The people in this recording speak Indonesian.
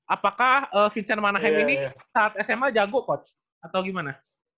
apakah vincent manahem ini saat sma jago coach atau gimana